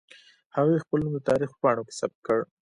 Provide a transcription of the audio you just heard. هغې خپل نوم د تاريخ په پاڼو کې ثبت کړ.